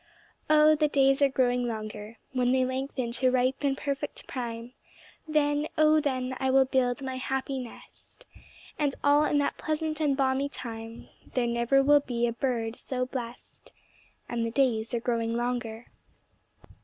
Oh, the days are growing longer; When they lengthen to ripe and perfect prime, Then, oh, then, I will build my happy nest; And all in that pleasant and balmy time, There never will be a bird so blest; And the days are growing longer.